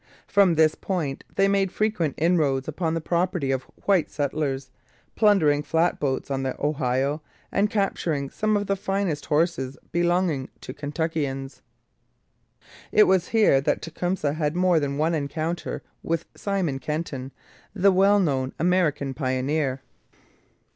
From this point they made frequent inroads upon the property of white settlers, plundering flat boats on the Ohio, and capturing some of the finest horses belonging to Kentuckians. It was here that Tecumseh had more than one encounter with Simon Kenton, the well known American pioneer.